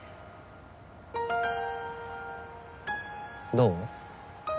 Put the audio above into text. どう？